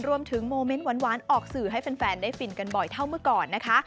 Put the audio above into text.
รวมถึงโมเมนต์หวานออกสื่อให้แฟนได้ฟินกันบ่อยเท่าเมื่อก่อนนะคะ